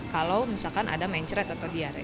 kalau misalkan ada mencret atau diare